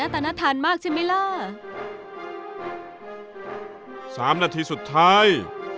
สามนาทีสุดท้าย